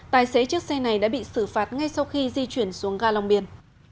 tài xế chiếc xe này đã bị xử phạt ngay sau khi di chuyển xuống ga long biên